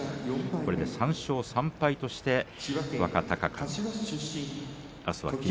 これで３勝３敗として若隆景あすは霧